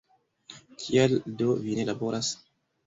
Kial do vi ne laboras?